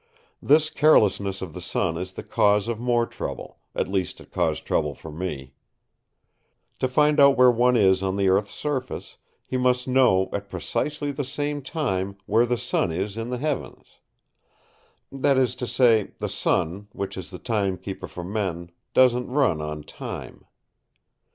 This carelessness of the sun is the cause of more trouble—at least it caused trouble for me. To find out where one is on the earth's surface, he must know, at precisely the same time, where the sun is in the heavens. That is to say, the sun, which is the timekeeper for men, doesn't run on time.